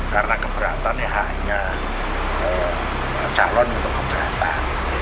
karena keberatan ya haknya calon untuk keberatan